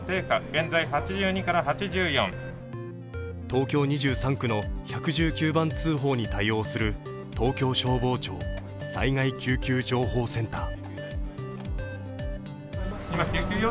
東京２３区の１１９番通報に対応する東京消防庁災害救急情報センター。